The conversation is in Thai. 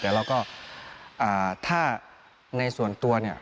แต่เราก็ถ้าในส่วนตัวเนี่ย